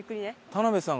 田辺さん。